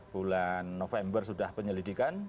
bulan november sudah penyelidikan